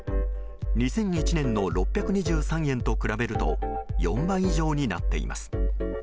２００１年の６２３円と比べると４倍以上になっています。